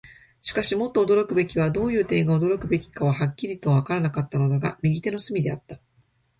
しかし、もっと驚くべきものは、どういう点が驚くべきかははっきりとはわからなかったのだが、右手の隅であった。